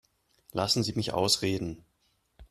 Lassen Sie mich ausreden.